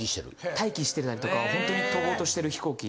待機してたりとかほんとに飛ぼうとしてる飛行機。